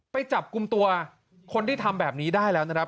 ไปจับกลุ่มตัวคนที่ทำแบบนี้ได้แล้วนะครับ